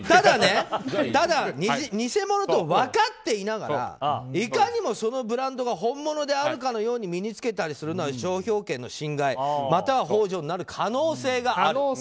ただ、偽物と分かっていながらいかにもそのブランドが本物であるかのように身に着けたりするのは商標権の侵害またはほう助になる可能性がある。